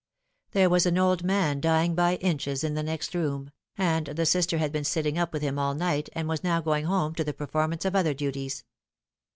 There was an old man dying by inches in the next room ; and the Sister had been sitting up with him all night, and was now going home to the performance of other duties.